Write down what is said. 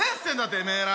てめーら！